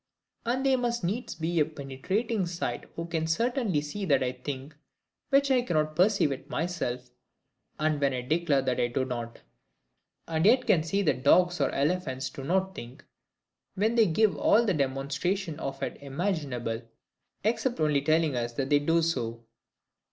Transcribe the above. And they must needs have a penetrating sight who can certainly see that I think, when I cannot perceive it myself, and when I declare that I do not; and yet can see that dogs or elephants do not think, when they give all the demonstration of it imaginable, except only telling us that they do so.